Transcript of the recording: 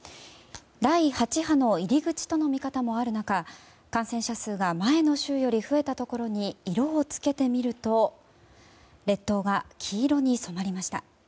第８波の入り口との見方もある中感染者数が前の週より増えたところに色を付けてみると列島が黄色に染まりました。